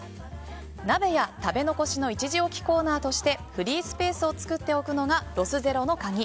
鍋や食べ残しの一時置きコーナーとしてフリースペースを作っておくのがロスゼロの鍵。